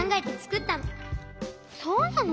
そうなの？